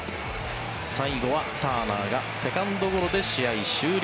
最後はターナーがセカンドゴロで試合終了。